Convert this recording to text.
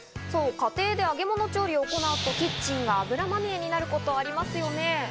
家庭で揚げ物調理を行うとキッチンが油まみれになること、ありますよね。